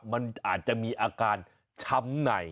มันอาจจะมีอาการช้ำใน